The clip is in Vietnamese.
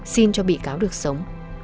xin cho bị cáo được sống